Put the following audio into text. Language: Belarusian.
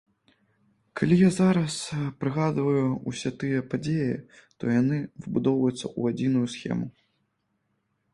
Калі я зараз прыгадваю ўсе тыя падзеі, то яны выбудоўваюцца ў адзіную схему.